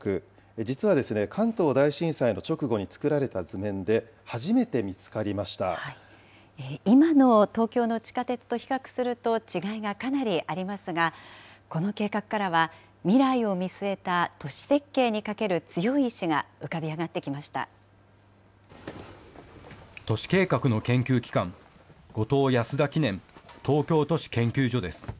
実は、関東大震災の直後に作られた図面で、今の東京の地下鉄と比較すると、違いがかなりありますが、この計画からは、未来を見据えた都市設計にかける強い意志が浮かび上がってきまし都市計画の研究機関、後藤・安田記念東京都市研究所です。